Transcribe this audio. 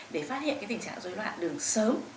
để phát hiện tình trạng rối loạn đường sớm